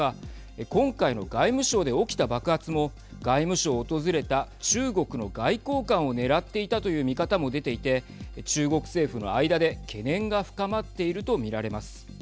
今回の外務省で起きた爆発も外務省を訪れた中国の外交官を狙っていたという見方も出ていて中国政府の間で懸念が深まっていると見られます。